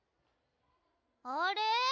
あれ？